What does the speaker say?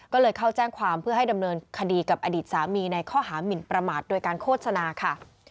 ก็เลยเข้าแจ้งความเพื่อให้ดำเนินคดีกับอดีตสามีในข้อหามินประมาทโดยการโฆษณาค่ะ